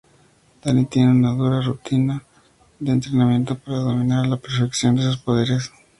Danny tiene una dura rutina de entrenamiento para dominar a la perfección sus poderes.